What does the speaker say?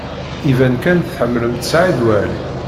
Iban kan tḥemmlemt Saɛid Waɛli.